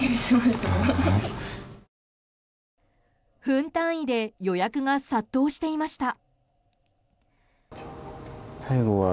分単位で予約が殺到していました。